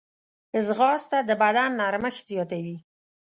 ځغاسته د بدن نرمښت زیاتوي